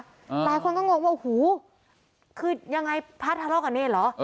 หลายคนก็งงว่าโอ้โหคือยังไงพระทะเลาะกับเนรเหรอ